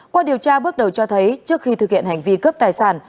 qua điều tra bước đầu cho thấy trước khi thực hiện hành vi cướp tài sản